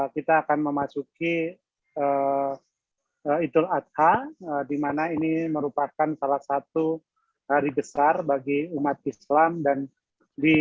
kita akan memasuki itu atas dimana ini merupakan salah satu hari besar bagi umat islam dan di